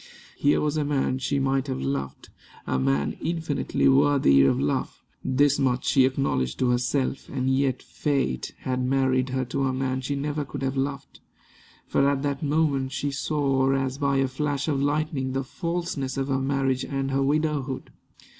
Here was a man she might have loved a man infinitely worthy of love this much she acknowledged to herself; and yet Fate had married her to a man she never could have loved. For at that moment she saw as by a flash of lightning the falseness of her marriage and her widowhood.